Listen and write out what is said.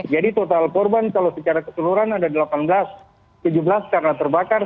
jadi total korban kalau secara keseluruhan ada delapan belas tujuh belas karena terbakar